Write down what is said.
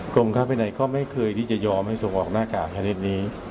กรมค่ะกรมพรายหน่อยเขาไม่เคยที่จะยอมส่งออกหน้ากากชนิดนี้